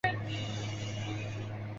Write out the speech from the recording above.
美丽的花莲